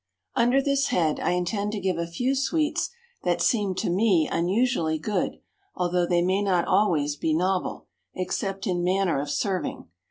Under this head I intend to give a few sweets that seem to me unusually good, although they may not always be novel, except in manner of serving.